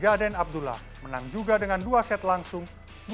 jaden abdullah menang juga dengan dua set langsung